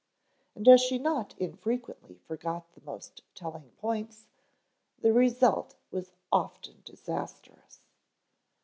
And as she not infrequently forgot the most telling points, the result was often disastrous.